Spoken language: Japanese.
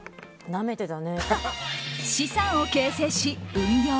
資産を形成し運用